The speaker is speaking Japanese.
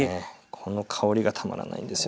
この香りがたまらないんですよ。